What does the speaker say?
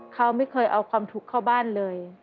เขาไม่เคยเอาความทุกข์เข้าบ้านเลย